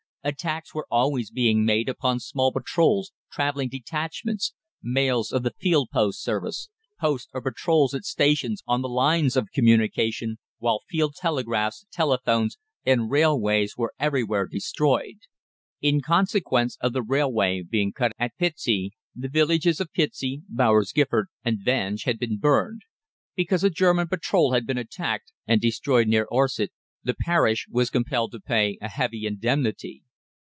Attacks were always being made upon small patrols, travelling detachments, mails of the field post office, posts or patrols at stations on the lines of communication, while field telegraphs, telephones, and railways were everywhere destroyed. In consequence of the railway being cut at Pitsea, the villages of Pitsea, Bowers Gifford, and Vange had been burned. Because a German patrol had been attacked and destroyed near Orsett, the parish was compelled to pay a heavy indemnity.